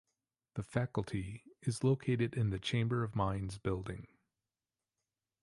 The Faculty is located in the Chamber of Mines Building.